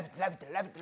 「ラヴィット！」